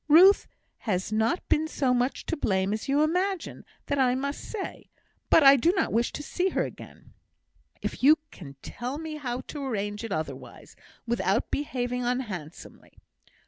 Ruth has not been so much to blame as you imagine, that I must say; but I do not wish to see her again, if you can tell me how to arrange it otherwise, without behaving unhandsomely.